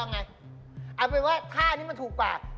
นี่ไม่ใช่แว่นพี่อู๋ดอ่ะ